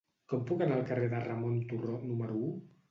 Com puc anar al carrer de Ramon Turró número u?